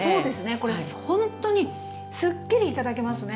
これほんとにすっきり頂けますね。